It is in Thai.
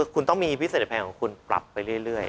คุณต้องมีพิเศษแพงของคุณปรับไปเรื่อย